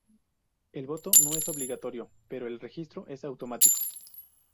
El voto no es obligatorio, pero el registro es automático.